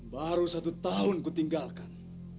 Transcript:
baru satu tahun kutinggalkan